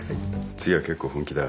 次は結構本気だ。